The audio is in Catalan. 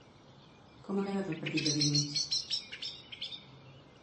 Com ha quedat el partit de dilluns?